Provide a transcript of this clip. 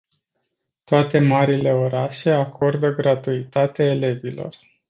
Toate marile orașe acordă gratuitate elevilor.